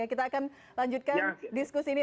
kita akan lanjutkan diskusi ini